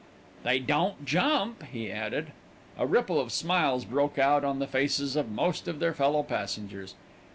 "They don't jump," he added. A ripple of smiles broke out on the faces of most of their fellow passengers.